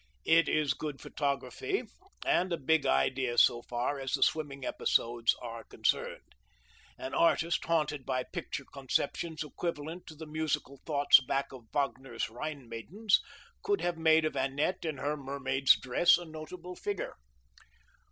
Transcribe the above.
It is good photography, and a big idea so far as the swimming episodes are concerned. An artist haunted by picture conceptions equivalent to the musical thoughts back of Wagner's Rhine maidens could have made of Annette, in her mermaid's dress, a notable figure.